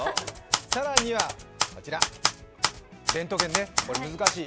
更にはこちら、レントゲンね、これ難しい。